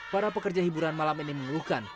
para pekerja hiburan malam ini mengeluhkan